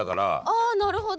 あなるほど。